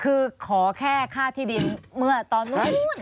คือขอแค่ค่าที่ดินเมื่อตอนนู้น